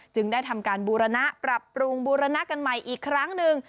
จึงได้ทำการบูรณะปรับปรุงบูรณะกันใหม่อีกครั้งหนึ่ง